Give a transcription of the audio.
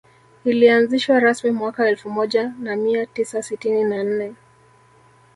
Ilianzishwa rasmi mwaka elfu moja na mia tisa sitini na nne